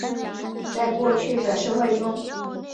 在过去的社会中。